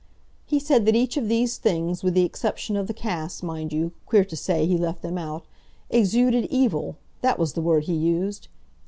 "He said that each of these things, with the exception of the casts, mind you—queer to say, he left them out—exuded evil, that was the word he used!